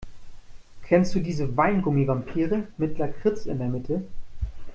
Kennst du diese Weingummi-Vampire mit Lakritz in der Mitte?